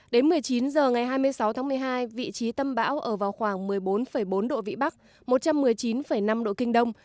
đến một mươi chín h ngày hai mươi sáu tháng một mươi hai vị trí tâm bão ở vào khoảng một mươi bốn bốn độ vĩ bắc một trăm một mươi chín năm độ kinh đông